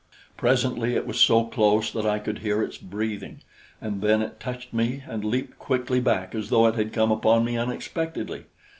Presently it was so close that I could hear its breathing, and then it touched me and leaped quickly back as though it had come upon me unexpectedly.